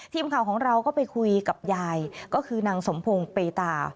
ทีมข่าวของเราก็ไปคุยกับยายก็คือนางสมพงศ์เปตา